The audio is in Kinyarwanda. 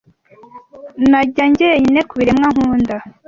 najya jyenyine kubiremwa nkunda